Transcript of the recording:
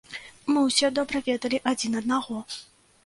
Мы ўсе добра ведалі адзін аднаго.